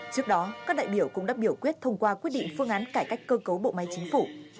trước đó các đại biểu cũng đã biểu quyết thông qua quyết định phương án cải cách cơ cấu bộ máy chính phủ